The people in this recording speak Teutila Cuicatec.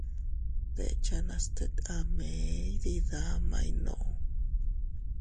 Deʼchanas tet a mee iydidamay nuu.